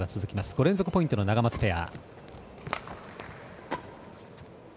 ５連続ポイントのナガマツペア。